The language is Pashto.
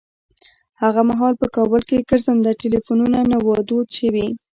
هغه مهال په کابل کې ګرځنده ټليفونونه نه وو دود شوي.